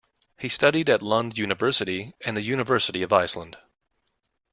He studied at Lund University and the University of Iceland.